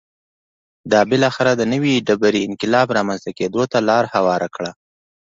دا بالاخره د نوې ډبرې انقلاب رامنځته کېدو ته لار هواره کړه